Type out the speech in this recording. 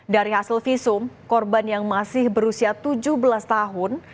dari hasil visum korban yang masih berusia tujuh belas tahun